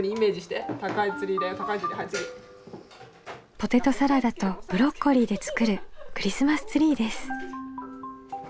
ポテトサラダとブロッコリーで作るクリスマスツリーです。